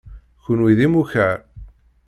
Kunwi d imukar.